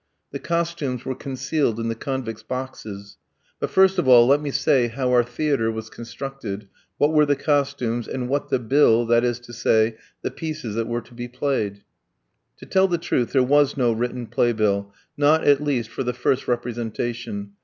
The costumes were concealed in the convicts' boxes; but first of all let me say how our theatre was constructed, what were the costumes, and what the bill, that is to say, the pieces that were to be played. To tell the truth, there was no written playbill, not, at least, for the first representation.